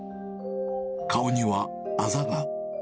顔にはあざが。